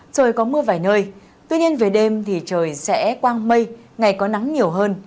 trời có mưa vài nơi tuy nhiên về đêm thì trời sẽ quang mây ngày có nắng nhiều hơn